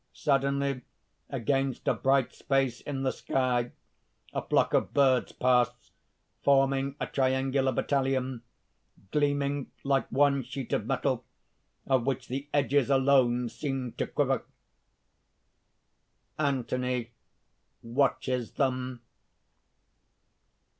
Suddenly against a bright space in the sky a flock of birds pass, forming a triangular battalion, gleaming like one sheet of metal, of which the edges alone seem to quiver._ _Anthony watches them.